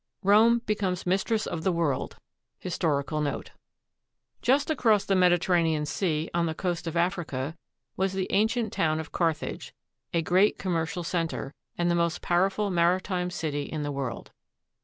Ill ROME BECOMES MISTRESS OF THE WORLD HISTORICAL NOTE Just across the Mediterranean Sea, on the coast of Africa, was the ancient town of Carthage, a great commercial center, and the most powerful maritime city in the world.